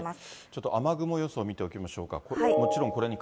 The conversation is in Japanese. ちょっと雨雲予想見ておきましょうか。